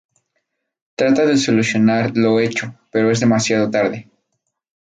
Trata de solucionar lo hecho, pero es demasiado tarde.